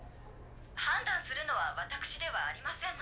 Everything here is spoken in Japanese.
判断するのは私ではありませんので。